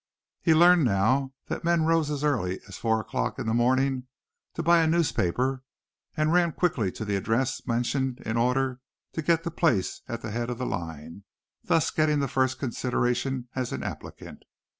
He learned now that men rose as early as four o'clock in the morning to buy a newspaper and ran quickly to the address mentioned in order to get the place at the head of the line, thus getting the first consideration as an applicant.